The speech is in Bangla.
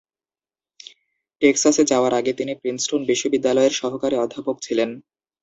টেক্সাসে যাওয়ার আগে তিনি প্রিন্সটন বিশ্ববিদ্যালয়ের সহকারী অধ্যাপক ছিলেন।